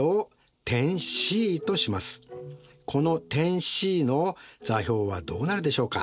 この点Ｃの座標はどうなるでしょうか？